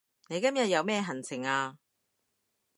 你今日有咩行程啊